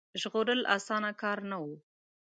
ژغورل اسانه کار نه وو.